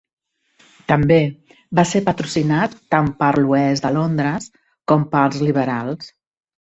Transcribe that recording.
També va ser patrocinat tant per l'oest de Londres com pels liberals.